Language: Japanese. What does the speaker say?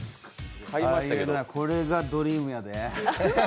これがドリームやで。